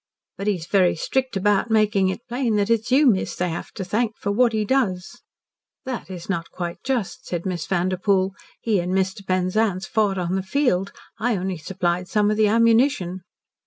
"But he's very strict about making it plain that it's you, miss, they have to thank for what he does." "That is not quite just," said Miss Vanderpoel. "He and Mr. Penzance fought on the field. I only supplied some of the ammunition."